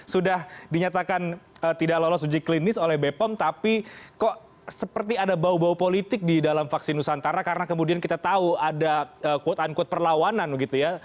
sudah dinyatakan tidak lolos uji klinis oleh bepom tapi kok seperti ada bau bau politik di dalam vaksin nusantara karena kemudian kita tahu ada quote unquote perlawanan begitu ya